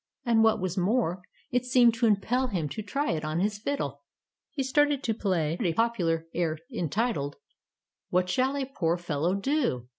And what was more, it seemed to impel him to try it on his fiddle. He started to play a popular air entitled, Tales of Modern Germany 89 "What Shall a Poor Fellow Do?"